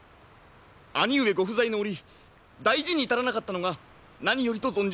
兄上ご不在の折大事に至らなかったのが何よりと存じます。